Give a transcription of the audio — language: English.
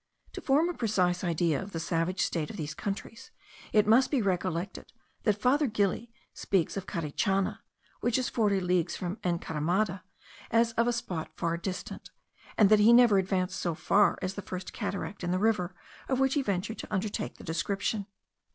To form a precise idea of the savage state of these countries it must be recollected that Father Gili speaks of Carichana,* which is forty leagues from Encaramada, as of a spot far distant; and that he never advanced so far as the first cataract in the river of which he ventured to undertake the description.